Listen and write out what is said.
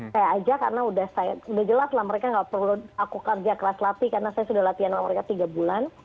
saya aja karena udah jelas lah mereka nggak perlu aku kerja kelas latih karena saya sudah latihan sama mereka tiga bulan